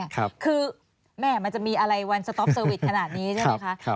คือแม่มันจะมีอะไรวันสต๊อปเตอร์วิสขนาดนี้ใช่ไหมคะ